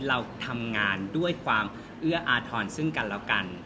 เราทำงานด้วยความเอื้ออาทรซึ่งกันแล้วกัน